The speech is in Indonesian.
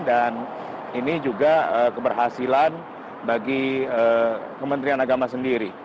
dan ini juga keberhasilan bagi kementerian agama sendiri